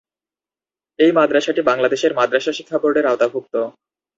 এ মাদ্রাসাটি বাংলাদেশ মাদরাসা শিক্ষা বোর্ডের আওতাভুক্ত।